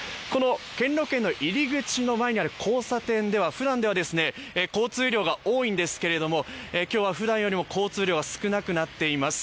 兼六園の入り口の前にある交差点ではふだんでは交通量が多いんですけど今日は、ふだんよりも交通量が少なくなっています。